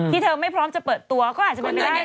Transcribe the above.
เธอไม่พร้อมจะเปิดตัวก็อาจจะเป็นไปได้